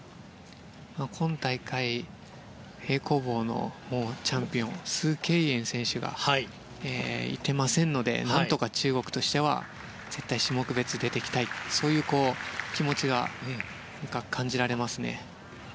今大会、平行棒のチャンピオンがいませんので何とか中国としては絶対に種目別に出てきたいというそういう気持ちが感じられますね。